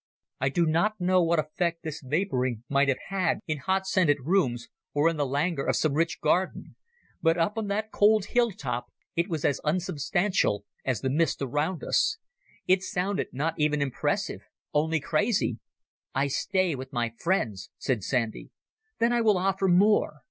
I do not know what effect this vapouring might have had in hot scented rooms, or in the languor of some rich garden; but up on that cold hill top it was as unsubstantial as the mist around us. It sounded not even impressive, only crazy. "I stay with my friends," said Sandy. "Then I will offer more.